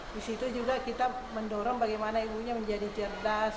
di situ juga kita mendorong bagaimana ibunya menjadi cerdas